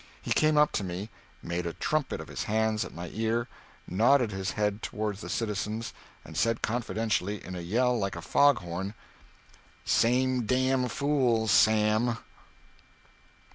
He came up to me, made a trumpet of his hands at my ear, nodded his head toward the citizens and said confidentially in a yell like a fog horn "Same damned fools, Sam!"